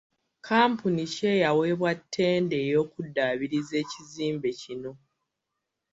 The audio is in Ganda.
Kkampuni ki eyaweebwa ttenda ey'okuddaabiriza ekizimbe kino?